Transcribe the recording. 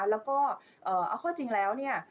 แล้วก็เอาความจริงแล้ว